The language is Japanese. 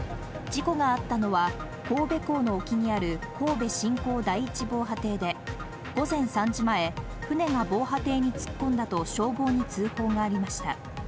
事故があったのは、神戸港の沖にある神戸新港第一防波堤で、午前３時前、船が防波堤に突っ込んだと消防に通報がありました。